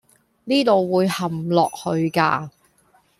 呢度會陷落去㗎